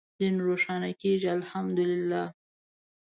دین روښانه کېږي الحمد لله.